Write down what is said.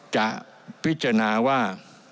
จะพิจารณาว่า